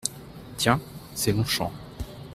Tiens ! c’est Longchamps !